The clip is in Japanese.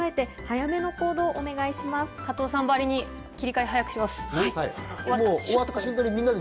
加藤さんばりに切り替えを早くします。